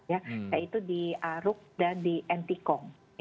yaitu di aruk dan di ntkong